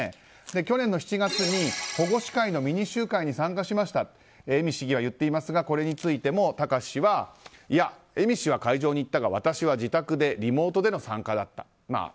去年の７月に保護司会のミニ集会に参加しましたと恵美市議は言っていますがこれについても貴志氏はいや恵美氏は会場に行ったが私は自宅でリモートでの参加だった。